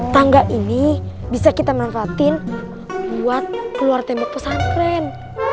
tangga ini bisa kita manfaatin buat keluar tembok pesantren